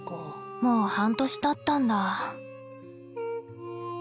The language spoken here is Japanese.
もう半年たったんだ。